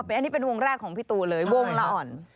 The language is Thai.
อันนี้เป็นวงแรกของพี่ตูนเลยวงละอ่อน